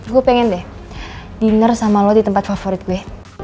gue pengen deh dinner sama lo di tempat favorit gue